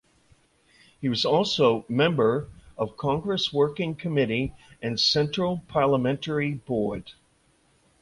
He was also member of Congress Working Committee and Central Parliamentary Board.